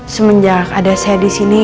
semenjak ada saya disini